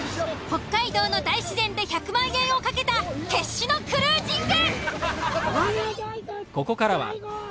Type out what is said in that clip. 北海道の大自然で１００万円を懸けた決死のクルージング。